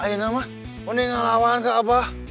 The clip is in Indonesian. ini gak lawan ke abah